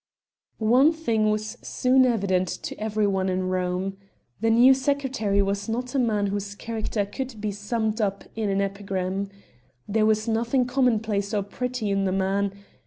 One thing was soon very evident to every one in Rome: The new secretary was not a man whose character could be summed up in an epigram. There was nothing commonplace or pretty in the man.